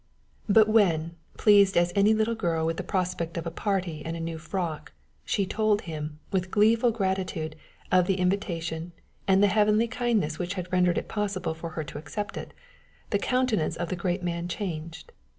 But when, pleased as any little girl with the prospect of a party and a new frock, she told him, with gleeful gratitude, of the invitation and the heavenly kindness which had rendered it possible for her to accept it, the countenance of the great man changed.